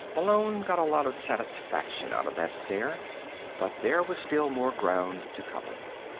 Malone got a lot of satisfaction out of that stare. But there was still more ground to cover.